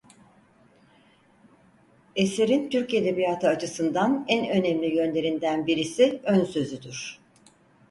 Eserin Türk Edebiyatı açısından en önemli yönlerinden birisi önsözüdür.